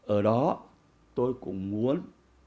ở đó tôi cũng muốn